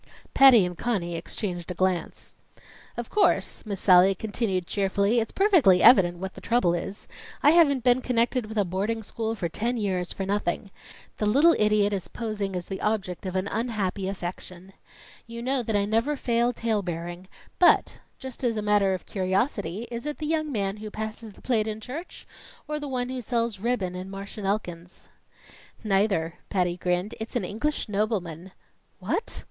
Patty and Conny exchanged a glance. "Of course," Miss Sallie continued cheerfully, "it's perfectly evident what the trouble is. I haven't been connected with a boarding school for ten years for nothing. The little idiot is posing as the object of an unhappy affection. You know that I never favor talebearing, but, just as a matter of curiosity, is it the young man who passes the plate in church, or the one who sells ribbon in Marsh and Elkins's?" "Neither." Patty grinned. "It's an English nobleman." "What?"